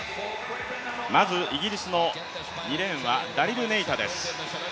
まずイギリスの２レーンは、ダリル・ネイタです。